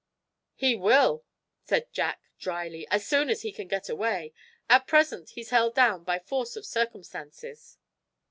"He will," said Jack, dryly, "as soon as he can get away. At present he's held down by force of circumstances."